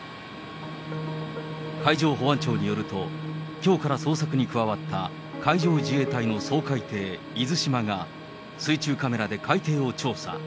海上保安庁によると、きょうから捜索に加わった、海上自衛隊の掃海艇いずしまが、水中カメラで海底を調査。